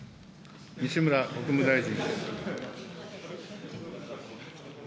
西村国務大臣。